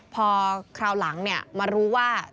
พอคราวหลังมารู้ว่า